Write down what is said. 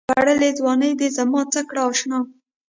وړلې ځــواني دې زمـا څه کړه اشـنا